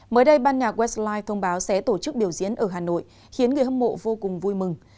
mới đây ban nhà westline thông báo sẽ tổ chức biểu diễn ở hà nội khiến người hâm mộ vô cùng vui mừng